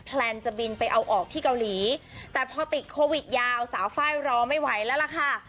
แลนจะบินไปเอาออกที่เกาหลีแต่พอติดโควิดยาวสาวไฟล์รอไม่ไหวแล้วล่ะค่ะ